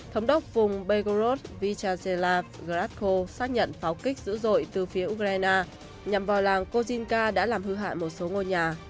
thống đốc vùng belogrod vyacheslav grasko xác nhận pháo kích dữ dội từ phía ukraine nhằm vào làng kozinka đã làm hư hại một số ngôi nhà